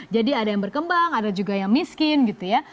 jadi ada yang berkembang ada juga yang miskin gitu ya